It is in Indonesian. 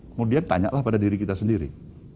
kemudian tanyalah pada diri kita sendiri